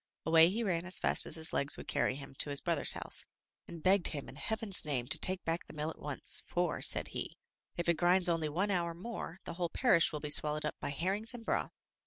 Away he ran as fast as his legs would carry him to his brother's house, and begged him in heaven's name to take back the mill, at once, for, said he, " If it grinds only one hour more the whole parish will be swallowed up by herrings and broth."